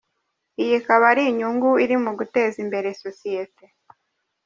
Iyi ikaba ari inyungu iri mu guteza imbere sosiyete.